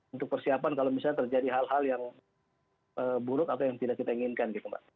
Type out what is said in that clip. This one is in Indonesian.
untuk persiapan kalau misalnya terjadi hal hal yang buruk atau yang tidak kita inginkan gitu mbak